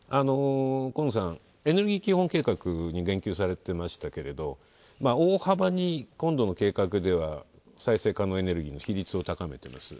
河野さん、エネルギー基本計画に言及されていましたけど大幅に再生可能エネルギーの比率を高めています。